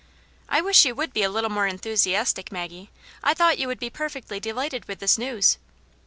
" I wish you would be a little more enthusiastic, Maggie. I thought you would be perfectly delighted with this news."